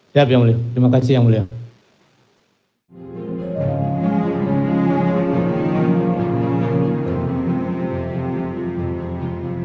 siap yang mulia terima kasih yang mulia